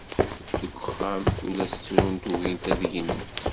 Deg uxxam, tullas ttrunt ugint ad gnent.